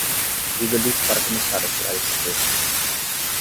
Diga-lhes para começar a tirar esses extras.